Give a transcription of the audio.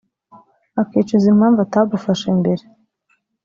akicuza impamvu atabufashe mbere